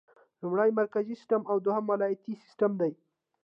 لومړی مرکزي سیسټم او دوهم ولایتي سیسټم دی.